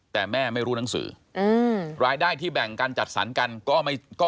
แต่แม่ไม่รู้หนังสือรายได้ที่แบ่งกันจัดสรรกันก็ไม่ก็